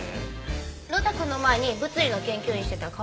呂太くんの前に物理の研究員してた変わり者。